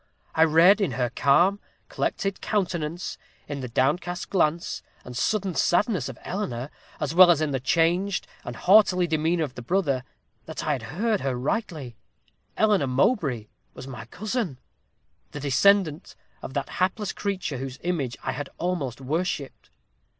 I read in her calm, collected countenance in the downcast glance, and sudden sadness of Eleanor, as well as in the changed and haughty demeanor of the brother, that I had heard her rightly. Eleanor Mowbray was my cousin the descendant of that hapless creature whose image I had almost worshipped.